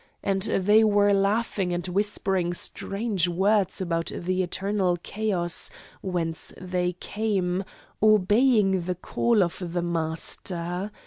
And they were laughing and whispering strange words about the eternal chaos, whence they came, obeying the call of the master.